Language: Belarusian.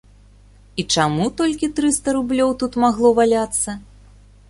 І чаму толькі трыста рублёў тут магло валяцца?